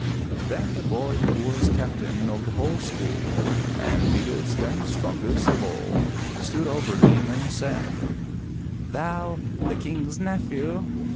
Then the boy who was Captain of the whole school and biggest and strongest of all stood over him and said: "Thou, the King's nephew!